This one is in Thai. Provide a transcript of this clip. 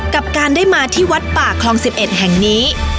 กับการได้มาที่วัดป่าคลอง๑๑แห่งนี้